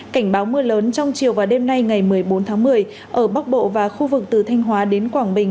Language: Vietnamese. cảnh báo mưa lớn trong chiều và đêm nay ngày một mươi bốn tháng một mươi ở bắc bộ và khu vực từ thanh hóa đến quảng bình